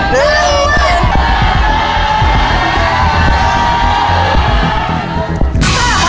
๕๐๐๐บาทครับ